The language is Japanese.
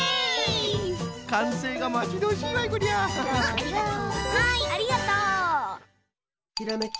ありがとう！